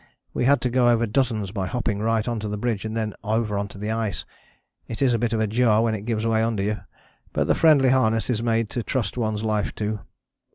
We had to go over dozens by hopping right on to the bridge and then over on to the ice. It is a bit of a jar when it gives way under you, but the friendly harness is made to trust one's life to.